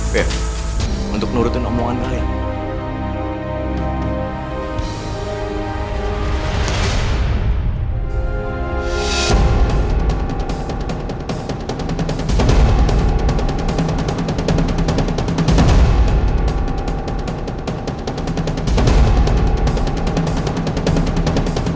ya untuk nurutin omongan kalian